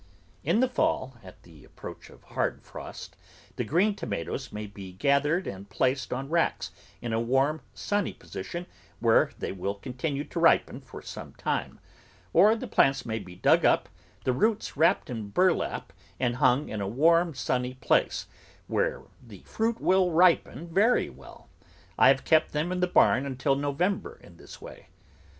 In the fall, at the approach of hard frost, the green tomatoes may be gathered and placed on racks in a warm, sunny position, where they will continue to ripen for some time, or the plants may be dug up, the roots wrapped in burlap, and hung in a warm, sunny place, where the fruit will ripen very well; I have kept them in the barn until No vember in this way.